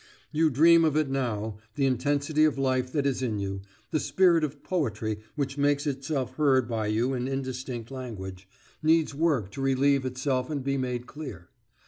You dream of it now; the intensity of life that is in you, the spirit of poetry which makes itself heard by you in indistinct language, needs work to relieve itself and be made clear.